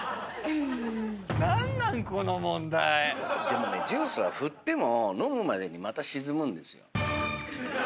でもねジュースは振っても飲むまでにまた沈むんですよ。